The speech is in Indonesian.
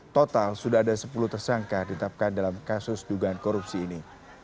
total sudah ada sepuluh tersangka ditetapkan dalam kasus dugaan korupsi ini